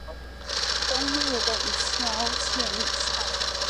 东日本桥站浅草线的铁路车站。